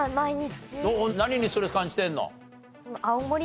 何にストレス感じてるの？